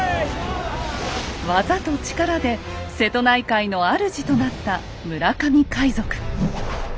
技と力で瀬戸内海の主となった村上海賊。